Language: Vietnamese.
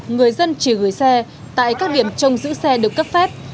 người dân chỉ gửi xe tại các điểm trông giữ xe được cấp phép